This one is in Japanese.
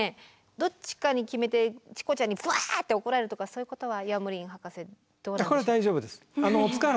どっちかに決めてチコちゃんにうわって怒られるとかそういうことはヤモリン博士どうなんですか？